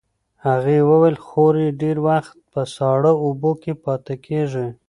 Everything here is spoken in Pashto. هغې وویل خور یې ډېر وخت په ساړه اوبو کې پاتې کېږي.